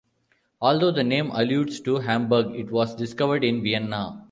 Although the name alludes to Hamburg it was discovered in Vienna.